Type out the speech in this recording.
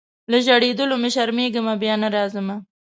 له ژړېدلو مي شرمېږمه بیا نه راځمه